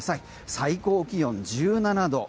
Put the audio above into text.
最高気温１７度。